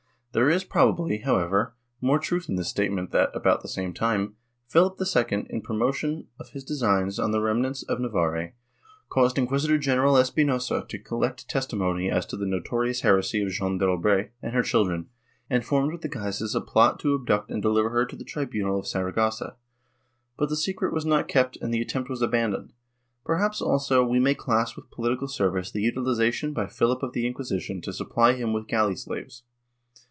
There is probably, however, more truth in the statement that, about the same time, Philip II, in promotion of his designs on the remnants of Navarre, caused Inquisitor general Espinosa to collect testimony as to the notorious heresy of Jeanne d'Albret and her children, and formed with the Guises a plot to abduct and deliver her to the tribunal of Saragossa, but the secret was not kept and the attempt was abandoned.^ Perhaps, also, we may class with political service the utilization by Philip of the Inquisition to supply him with galley slaves.